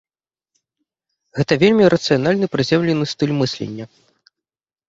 Гэта вельмі рацыянальны, прыземлены стыль мыслення.